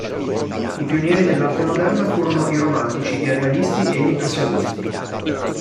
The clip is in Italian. I pionieri dell'arte moderna furono i Romantici, i Realisti e gli Impressionisti.